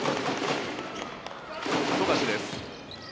富樫です。